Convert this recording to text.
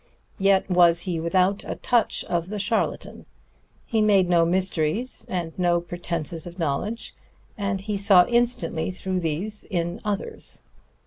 Yet was he without a touch of the charlatan: he made no mysteries, and no pretenses of knowledge, and he saw instantly through these in others.